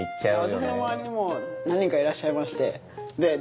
私の周りにも何人かいらっしゃいまして。